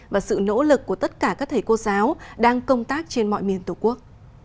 và sự nỗ lực của tất cả các thầy cô giáo đang công tác trên mọi miền tổ quốc